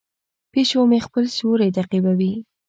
پیشو مې خپل سیوری تعقیبوي.